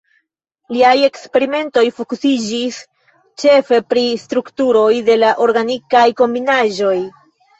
Liaj eksperimentoj fokusiĝis ĉefe pri la strukturoj de la organikaj kombinaĵoj.